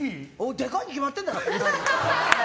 でかいに決まってんだろ！